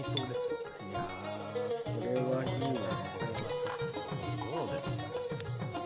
いやこれはいいね。